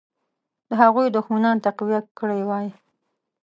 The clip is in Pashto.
د هغوی دښمنان تقویه کړي وای.